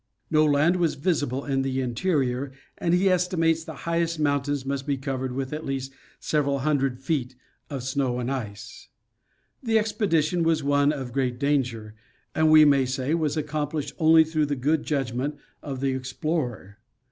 No land was visible in the interior and he estimates the highest mountains must be covered with at least several hun dred feet of snow ice. The expedition was one of great danger, and we may say was accomplished only through the good judg ment of the explorer.